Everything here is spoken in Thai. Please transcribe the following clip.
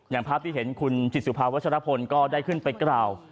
อย่างภาพที่เห็นคุณจิตสุภาวัชรพลก็ได้ขึ้นไปกล่าว